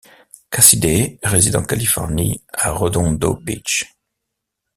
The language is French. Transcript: Cassidey réside en Californie à Redondo Beach.